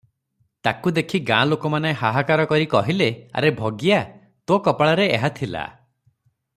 ତାକୁ ଦେଖି ଗାଁ ଲୋକମାନେ ହାହାକାର କରି କହିଲେ, "ଆରେ ଭଗିଆ, ତୋ କପାଳରେ ଏହା ଥିଲା ।"